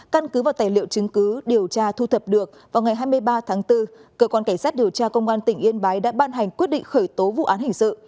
căn cứ vào tài liệu chứng cứ điều tra thu thập được vào ngày hai mươi ba tháng bốn cơ quan cảnh sát điều tra công an tỉnh yên bái đã ban hành quyết định khởi tố vụ án hình sự